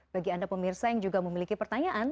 bagi anda pemirsa yang juga memiliki pertanyaan